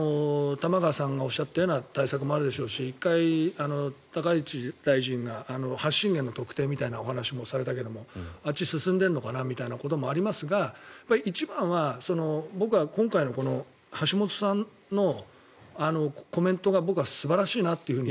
玉川さんがおっしゃったような対策もあるでしょうし１回、高市大臣が発信源の特定みたいなお話もされたけれどあっちは進んでいるのかなみたいなこともありますが一番は僕は今回のこの橋本さんのコメントが僕は素晴らしいなっていうふうに。